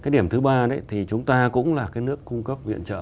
điểm thứ ba là chúng ta cũng là nước cung cấp viện trợ